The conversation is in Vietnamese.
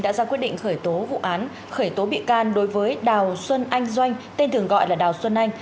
đã ra quyết định khởi tố vụ án khởi tố bị can đối với đào xuân anh doanh tên thường gọi là đào xuân anh